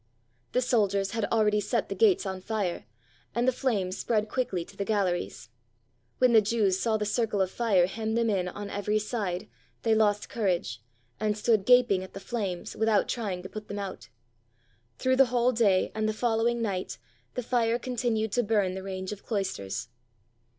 The soldiers had already set the gates on fire, and the flames spread quickly to the galleries. When the Jews saw the circle of fire hem them in on every side, they lost courage, and stood gaping at the flames, without trying to put them out. Through the whole day and the following night the fire continued to bum the range of cloisters.